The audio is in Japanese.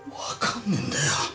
わかんねえんだよ。